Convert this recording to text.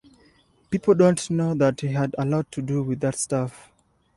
People don't know that he had a lot to do with that stuff.